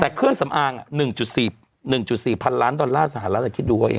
แต่เครื่องสำอาง๑๔๑๔พันล้านดอลลาร์สหรัฐคิดดูเอาเอง